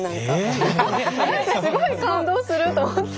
何かすごい感動すると思って。